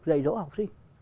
dạy dỗ học sinh